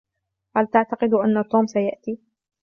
هل تعتقد أن توم سيأتي ؟